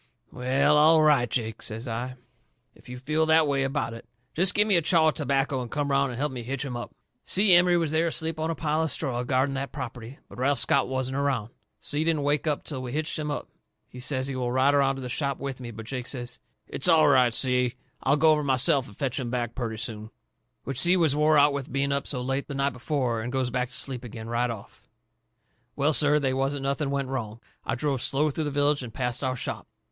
"Well, all right, Jake," says I, "if you feel that way about it. Jest give me a chaw of tobacco and come around and help me hitch 'em up." Si Emery was there asleep on a pile of straw guarding that property. But Ralph Scott wasn't around. Si didn't wake up till we had hitched 'em up. He says he will ride around to the shop with me. But Jake says: "It's all right, Si. I'll go over myself and fetch 'em back purty soon." Which Si was wore out with being up so late the night before, and goes back to sleep agin right off. Well, sir, they wasn't nothing went wrong. I drove slow through the village and past our shop.